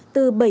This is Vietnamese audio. từ bảy bậc